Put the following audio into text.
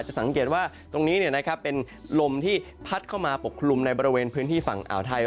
สังเกตว่าตรงนี้เป็นลมที่พัดเข้ามาปกคลุมในบริเวณพื้นที่ฝั่งอ่าวไทย